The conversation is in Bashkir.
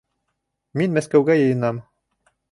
Мин Мәскәүгә йыйынам